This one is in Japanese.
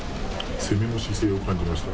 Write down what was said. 攻めの姿勢を感じました。